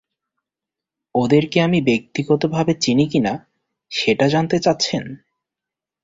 ওদেরকে আমি ব্যক্তিগতভাবে চিনি কি না, সেটা জানতে চাচ্ছেন?